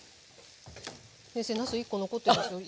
先生なす１個残ってますよ。